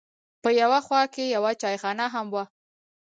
په یوه خوا کې یوه چایخانه هم وه.